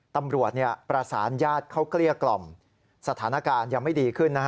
ตำรวจประสานญาติเข้าเกลี้ยกล่อมสถานการณ์ยังไม่ดีขึ้น